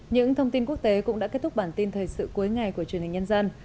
những thông tin quốc tế cũng đã kết thúc bản tin thời sự cuối ngày của truyền hình nhân dân